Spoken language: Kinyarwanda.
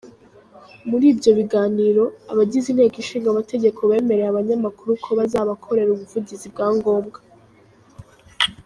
Muri ibyo biganiro, abagize Inteko ishinga amategeko bemereye Abanyamakuru ko bazabakorera ubuvugizi bwa ngombwa.